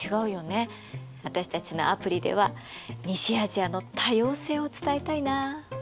私たちのアプリでは西アジアの多様性を伝えたいな。